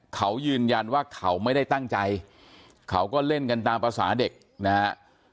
เขายืนยันว่าเขาไม่ได้ตั้งใจเขาก็เล่นกันตามภาษาเด็กนะฮะ